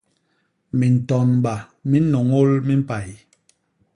Mintonba mi nnôñôl mimpay.